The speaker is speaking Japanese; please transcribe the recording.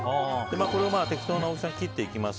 これを適当な大きさに切っていきます。